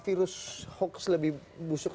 virus hoax lebih busuk